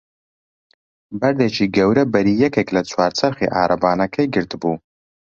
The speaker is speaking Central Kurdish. بەردێکی گەورە بەری یەکێک لە چوار چەرخی عەرەبانەکەی گرتبوو.